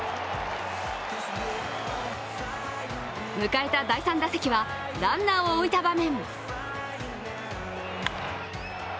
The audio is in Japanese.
迎えた第３打席はランナーを置いた場面。